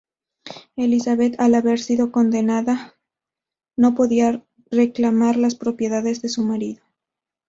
Elizabeth, al haber sido condenada, no podía reclamar las propiedades de su marido.